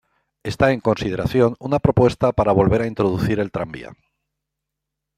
Está en consideración una propuesta para volver a introducir el tranvía.